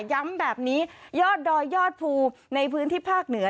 ย้ำแบบนี้ยอดดอยยอดภูในพื้นที่ภาคเหนือ